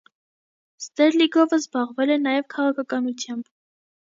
Ստերլիգովը զբաղվել է նաև քաղաքականությամբ։